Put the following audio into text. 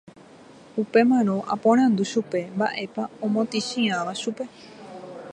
Upémarõ aporandu chupe mba'épa omotĩchiãva chupe